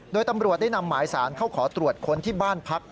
โดยตำรวจได้นำหมายสารเข้าขอตรวจค้นที่บ้านพัก